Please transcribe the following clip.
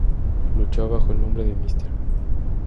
Luchó bajo el nombre de “Mr.